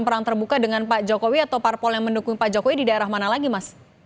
perang terbuka dengan pak jokowi atau parpol yang mendukung pak jokowi di daerah mana lagi mas